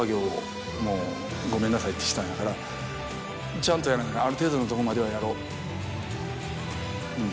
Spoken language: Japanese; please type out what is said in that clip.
「ちゃんとやらなある程度のとこまではやろう」。